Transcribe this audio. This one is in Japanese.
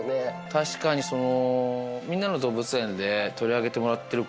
確かにその。